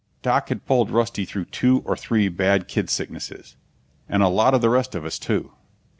Doc had pulled Rusty through two or three bad kid sicknesses and a lot of the rest of us, too.